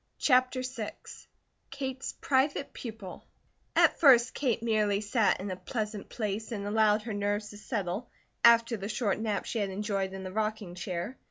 CHAPTER VI KATE'S PRIVATE PUPIL AT FIRST Kate merely sat in a pleasant place and allowed her nerves to settle, after the short nap she had enjoyed in the rocking chair.